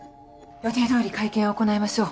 予定どおり会見は行いましょう。